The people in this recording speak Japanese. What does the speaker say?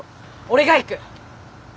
俺が行く！